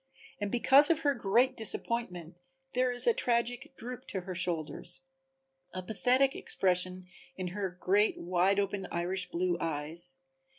And because of her great disappointment there is a tragic droop to her shoulders, a pathetic expression in her great wide open Irish blue eyes.